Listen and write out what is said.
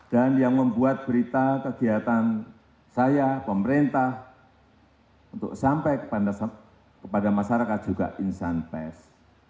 dan yang membuat berita kegiatan saya pemerintah untuk sampai kepada masyarakat juga insan pers